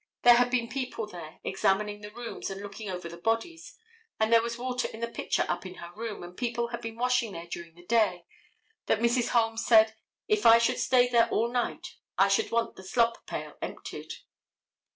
There had been people there examining the rooms and looking over the bodies, and there was water in the pitcher up in her room, and people had been washing there during the day, that Mrs. Holmes said, "If I should stay there all night I should want the slop pail emptied."